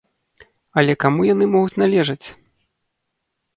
Але каму яны могуць належаць?